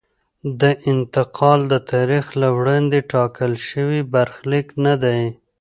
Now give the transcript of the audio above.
دا انتقال د تاریخ له وړاندې ټاکل شوی برخلیک نه دی.